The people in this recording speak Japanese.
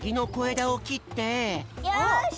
よし！